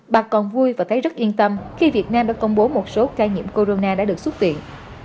bà còn vui và thấy rất yên tâm khi việt nam đã công bố một số ca nhiễm corona đã được xuất viện